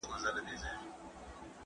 ادبي محفلونو کي یې شعرونه لوستل